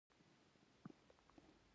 دا حکم له ټولنې او دولت څخه غوښتنه کوي.